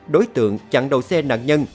đối tượng chặn đầu xe nạn nhân